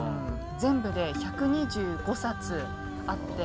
全部で１２５冊あって。